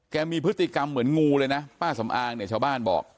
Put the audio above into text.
มีพฤติกรรมเหมือนงูเลยนะป้าสำอางเนี่ยชาวบ้านบอก